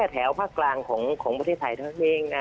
แถวภาคกลางของประเทศไทยเท่านั้นเอง